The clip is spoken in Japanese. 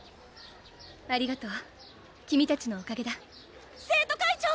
ありがとう君たちのおかげだ生徒会長！